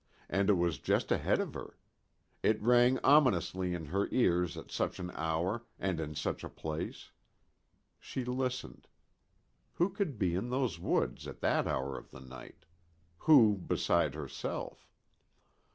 And it was just ahead of her. It rang ominously in her ears at such an hour, and in such a place. She listened. Who could be in those woods at that hour of the night? Who beside herself?